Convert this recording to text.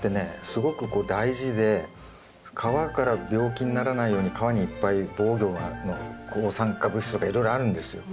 すごくこう大事で皮から病気にならないように皮にいっぱい防御の抗酸化物質とかいろいろあるんですよ。